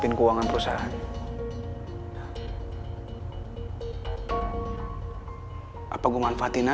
buat keuangan ke perusahaan gue ini